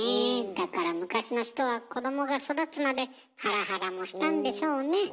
だから昔の人は子どもが育つまでハラハラもしたんでしょうね。